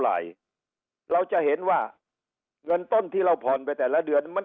อะไรเราจะเห็นว่าเงินต้นที่เราผ่อนไปแต่ละเดือนมัน